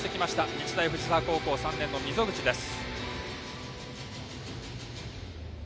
日大藤沢高校３年の溝口です。